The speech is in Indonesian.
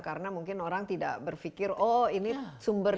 karena mungkin orang tidak berpikir oh ini terobosan